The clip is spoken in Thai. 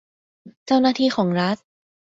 เจ้าหน้าที่ของรัฐ